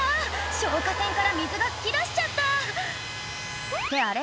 消火栓から水が噴き出しちゃったってあれ？